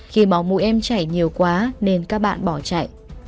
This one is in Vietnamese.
khi máu mũi em chảy nhiều quá nên các bạn bỏ chạy